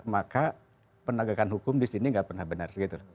maka penegakan hukum disini tidak pernah benar